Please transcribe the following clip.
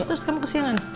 terus kamu kesiangan